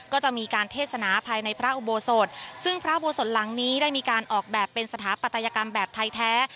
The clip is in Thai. ก็จะมีการเทศนาภายในพระอุโบสถซึ่งพระโบสถหลังนี้ได้มีการออกแบบเป็นสถาปัตยกรรมแบบไทยแท้